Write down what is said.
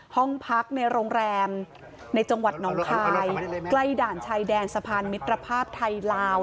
ห้องพักในโรงแรมในจังหวัดหนองคายใกล้ด่านชายแดนสะพานมิตรภาพไทยลาว